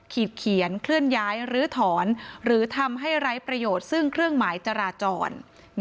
เขียนเคลื่อนย้ายรื้อถอนหรือทำให้ไร้ประโยชน์ซึ่งเครื่องหมายจราจร